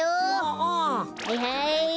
はいはい。